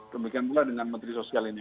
demikian pula dengan menteri sosial ini